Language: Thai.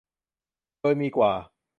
โดยมีกว่า